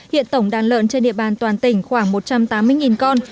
hiện tổng đàn lợn trên địa bàn toàn tỉnh khoảng một trăm tám mươi con